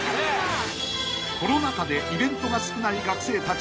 ［コロナ禍でイベントが少ない］